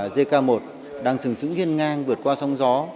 dk một đang sừng sững ghiên ngang vượt qua sông gió